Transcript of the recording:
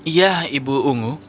ya ibu ungu